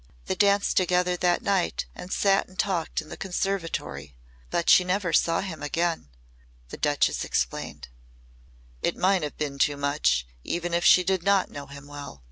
They danced together that night and sat and talked in the conservatory. But she never saw him again," the Duchess explained. "It might have been too much, even if she did not know him well.